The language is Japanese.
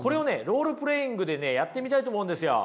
ロールプレーイングでねやってみたいと思うんですよ。